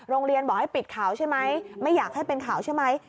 โรงเรียนบอกให้ปิดข่าวใช่ไหมไม่อยากให้เป็นข่าวใช่ไหม